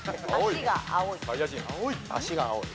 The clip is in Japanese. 足が青い。